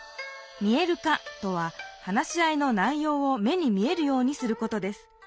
「見える化」とは話し合いの内ようを目に見えるようにすることです。